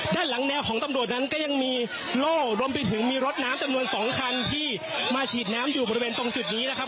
ด้านหลังแนวของตำรวจนั้นก็ยังมีโล่รวมไปถึงมีรถน้ำจำนวน๒คันที่มาฉีดน้ำอยู่บริเวณตรงจุดนี้นะครับ